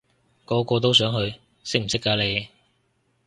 個個都想去，識唔識㗎你？